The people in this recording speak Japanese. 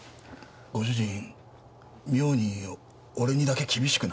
ご主人妙に俺にだけ厳しくない？